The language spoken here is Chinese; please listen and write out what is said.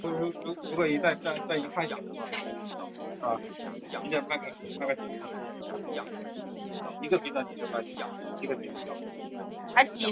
好的用户界面设计能够让用户在完成任务时不必因为设计本身花费不必要的精力。